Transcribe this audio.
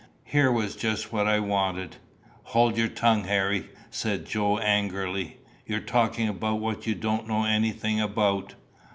Here was just what I wanted. "Hold your tongue, Harry," said Joe angrily. "You're talking of what you don't know anything about."